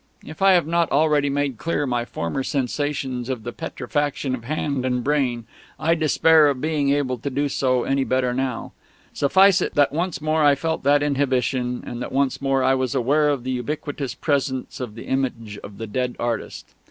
If I have not already made clear my former sensations of the petrefaction of hand and brain, I despair of being able to do so any better now. Suffice it that once more I felt that inhibition, and that once more I was aware of the ubiquitous presence of the image of the dead artist.